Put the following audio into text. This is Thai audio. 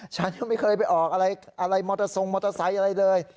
ฉันไม่เคยไปออกอะไรมอเตอร์ทรงมอเตอร์ไซค์อะไรเลย